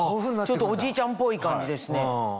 おじいちゃんっぽい感じですね。